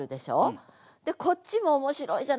でこっちも面白いじゃないですか。